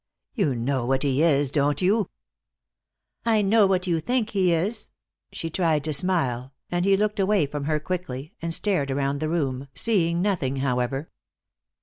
You know what he is, don't you?" "I know what you think he is." She tried to smile, and he looked away from her quickly and stared around the room, seeing nothing, however.